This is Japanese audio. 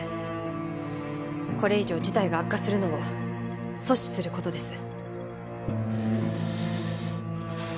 これ以上事態が悪化するのを阻止する事です。